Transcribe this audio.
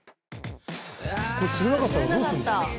これ釣れなかったらどうすんの？